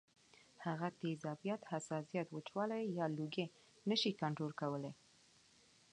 هغه تیزابیت ، حساسیت ، وچوالی یا لوګی نشي کنټرول کولی